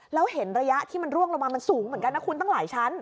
แล้วเห็นระยะที่มันร่วงลงมามันสูงเหมือนกันนะคุณตั้งหลายชั้น